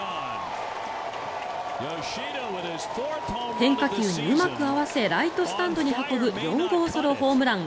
変化球にうまく合わせライトスタンドに運ぶ４号ソロホームラン。